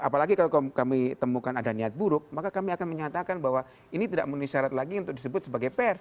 apalagi kalau kami temukan ada niat buruk maka kami akan menyatakan bahwa ini tidak memenuhi syarat lagi untuk disebut sebagai pers